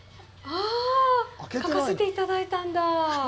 書かせていただいたんだ。